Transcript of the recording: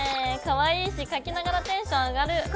かわいいし書きながらテンション上がる！